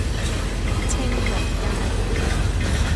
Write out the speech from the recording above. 青綠街